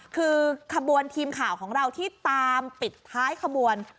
คือขบวนทีมข่าวของเราที่ตามปิดท้ายขบวน